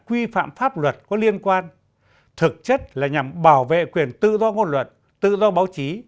quy phạm pháp luật có liên quan thực chất là nhằm bảo vệ quyền tự do ngôn luận tự do báo chí